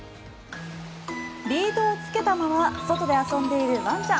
リードをつけたまま外で遊んでいるワンちゃん。